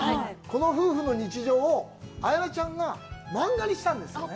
この夫婦の日常を、綾菜ちゃんが漫画にしたんですよね。